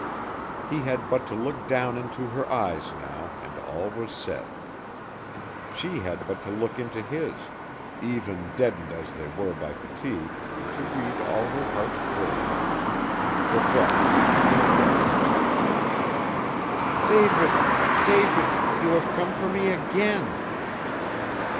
He had but to look down into her eyes now and all was said; she had but to look into his, even deadened as they were by fatigue, to read all her heart craved. Her breath came in little gasps. "David David, you have come for me again!"